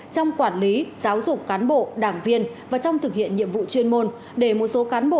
trong quản lý giáo dục cán bộ đảng viên và trong thực hiện nhiệm vụ chuyên môn